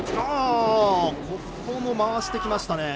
ここも回してきた。